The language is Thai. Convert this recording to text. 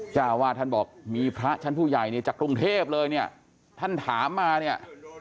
เจ้าวาดท่านบอกมีพระชั้นผู้ใหญ่เนี่ยจากกรุงเทพเลยเนี่ยท่านถามมาเนี่ย